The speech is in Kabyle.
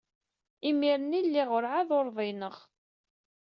Imir-nni lliɣ werɛad ur uḍineɣ.